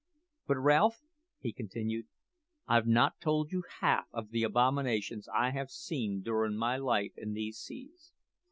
But, Ralph," he continued, "I've not told you half o' the abominations I have seen durin' my life in these seas.